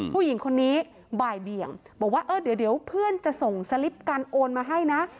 ผู้หญิงคนนี้บ่ายเบี่ยงบอกว่าเออเดี๋ยวเพื่อนจะส่งสลิปการโอนมาให้นะ